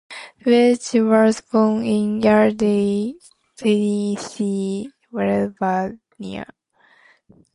Welch was born in Yardley, Pennsylvania.